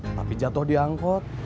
tapi jatuh diangkut